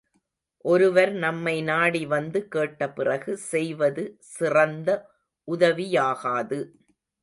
ஒருவர் நம்மை நாடி வந்து கேட்டபிறகு செய்வது சிறந்த உதவியாகாது.